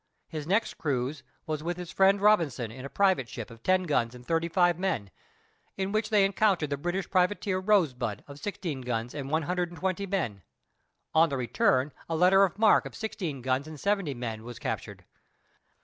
His next cruise was with his friend Robinson, in a private ship of ten guns and thirty five men, in which they encountered the British privateer Rosebud of sixteen guns and one hundred and twenty men. On the return, a letter of marque of sixteen guns and seventy men was captured.